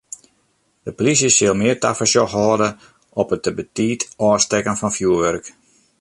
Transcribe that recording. De polysje sil mear tafersjoch hâlde op it te betiid ôfstekken fan fjurwurk.